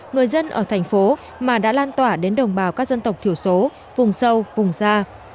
người dân ở thành phố mà đã lan tỏa đến đồng bào các dân tộc thiểu số vùng sâu vùng xa